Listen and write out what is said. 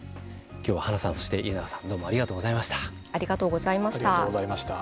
今日ははなさんそして家永さんどうもありがとうございました。